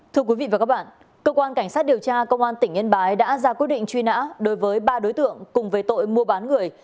thưa quý vị và các bạn cơ quan cảnh sát điều tra công an tỉnh yên bái đã ra quyết định truy nã đối với ba đối tượng cùng về tội mua bán người